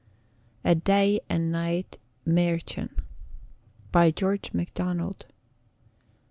A Day and Night Mährchen. By GEORGE MACDONALD.